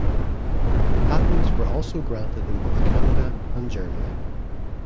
Patents were also granted in both Canada and Germany.